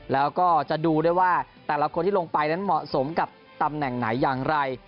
แล้วก็จะดูด้วยว่าแต่ละคนที่ลงไปนั้นเหมาะสมกับตำแหน่งไหนอย่างไร